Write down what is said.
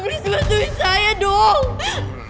beli simpan duit saya dong